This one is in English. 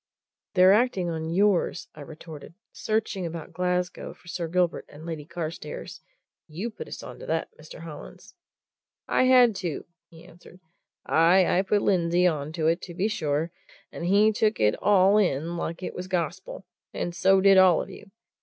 "They're acting on yours," I retorted. "Searching about Glasgow for Sir Gilbert and Lady Carstairs you put us on to that, Mr. Hollins." "I had to," he answered. "Aye, I put Lindsey on to it, to be sure and he took it all in like it was gospel, and so did all of you!